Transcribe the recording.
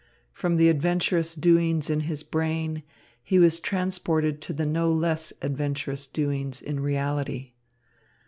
From the adventurous doings in his brain, he was transported to the no less adventurous doings in reality.